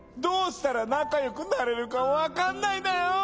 どうしたらなかよくなれるかわかんないんだよ！